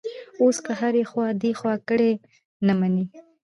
اوس که هر ایخوا دیخوا کړي، نه مني.